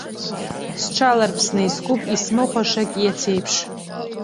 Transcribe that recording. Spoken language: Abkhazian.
Сҽаларԥсны искуп исмыхәашагь иацеиԥш.